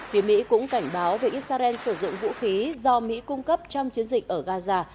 phía mỹ cũng cảnh báo về israel sử dụng vũ khí do mỹ cung cấp trong chiến dịch ở gaza